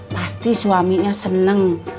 pasti suaminya seneng